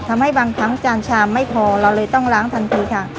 ทำให้บางครั้งจางชามไม่พอเราเลยต้องล้างทันทีค่ะ